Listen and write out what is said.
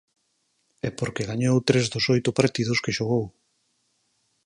E porque gañou tres dos oito partidos que xogou.